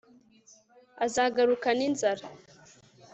Azagaruka ninzara